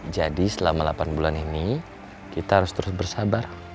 jadi selama delapan bulan ini kita harus terus bersabar